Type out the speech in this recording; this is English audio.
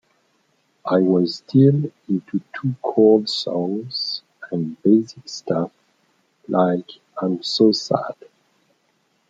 I was still into two-chord songs and basic stuff like 'I'm so sad.